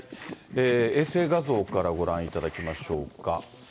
衛星画像からご覧いただきましょうか。